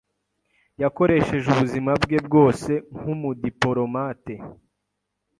Yakoresheje ubuzima bwe bwose nkumudipolomate.